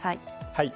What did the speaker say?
はい。